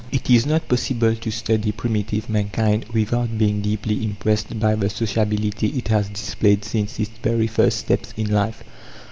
It is not possible to study primitive mankind without being deeply impressed by the sociability it has displayed since its very first steps in life.